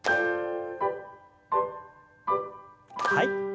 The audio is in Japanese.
はい。